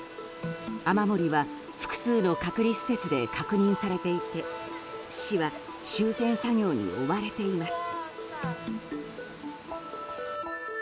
雨漏りは複数の隔離施設で確認されていて市は修繕作業に追われています。